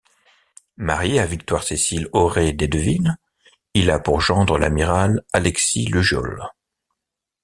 Marié à Victoire-Cécile Orée d'Aideville, il a pour gendre l'amiral Alexis Lugeol.